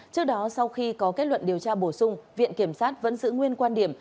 trước đó sau khi có kết luận điều tra bổ sung viện kiểm sát vẫn giữ nguyên quan điểm